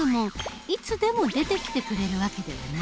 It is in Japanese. いつでも出てきてくれる訳ではない。